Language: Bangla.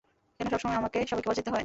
কেন সবসময় আমাকেই সবাইকে বাঁচাতে হয়?